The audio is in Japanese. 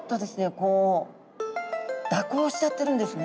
こう蛇行しちゃってるんですね。